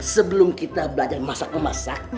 sebelum kita belajar masak memasak